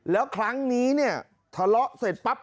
แล้วครั้งนี้เนี่ยทะเลาะเสร็จปั๊บ